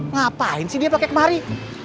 ngapain sih dia pakai kemari